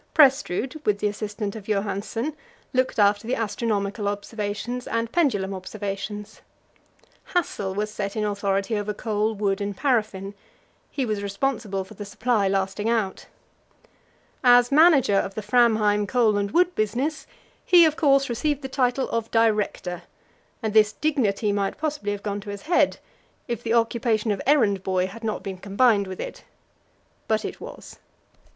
Prestrud, with the assistance of Johansen, looked after the astronomical observations and the pendulum observations. Hassel was set in authority over coal, wood, and paraffin; he was responsible for the supply lasting out. As manager of the Framheim coal and wood business, he, of course, received the title of Director, and this dignity might possibly have gone to his head if the occupation of errand boy had not been combined with it. But it was.